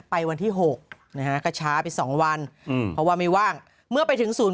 วันที่๖นะฮะก็ช้าไป๒วันเพราะว่าไม่ว่างเมื่อไปถึงศูนย์